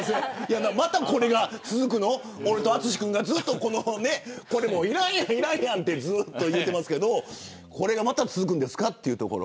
またこれが続くの、俺と淳君がこれもいらんやんとずっと言ってますけどこれが、また続くんですかというところ。